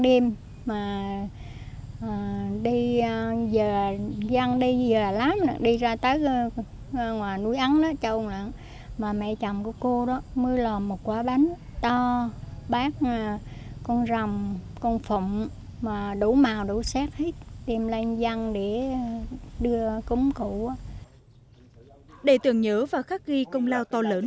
để tưởng nhớ và khắc ghi công lao to lớn